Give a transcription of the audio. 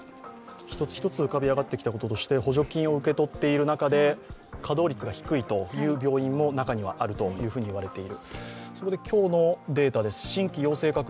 一つ一つ浮かび上がってきたこととして、補助金を受け取っている中で稼働率が低いという病院も中にはあると言われている。